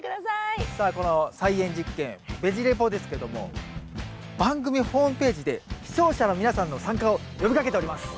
さあこの菜園実験「ベジ・レポ」ですけども番組ホームページで視聴者の皆さんの参加を呼びかけております。